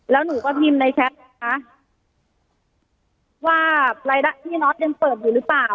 แล้วหนูก็พิมพ์ในแชทนะคะว่ารายละพี่น็อตยังเปิดอยู่หรือเปล่า